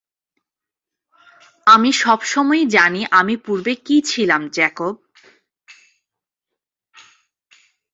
আমি সবসময়ই জানি আমি পূর্বে কী ছিলাম, জ্যাকব।